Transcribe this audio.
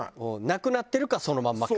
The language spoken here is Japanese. なくなってるかそのまんまか。